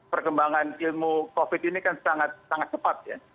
perkembangan ilmu covid ini kan sangat cepat ya